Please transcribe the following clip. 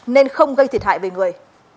nên không gây thiệt hại về người